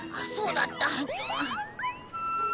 そうだった。